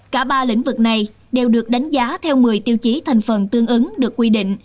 cả ba lĩnh vực này đều được đánh giá theo một mươi tiêu chí thành phần tương ứng được quy định